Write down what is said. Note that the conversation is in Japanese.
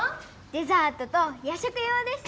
デザートと夜食用です